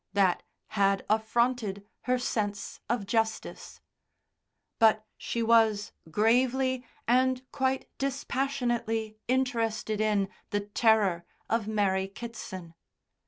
That had affronted her sense of justice. But she was gravely and quite dispassionately interested in the terror of Mary Kitson.